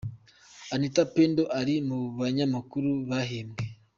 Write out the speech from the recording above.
Anita Pendo ari mu banyamakuru bahembwe.